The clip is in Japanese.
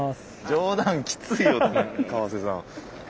冗談きついよ川瀬さん。